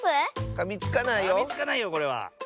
かみつかないよこれは。